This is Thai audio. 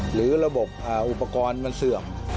หรือระบบอุปกรณ์มันเสื่อม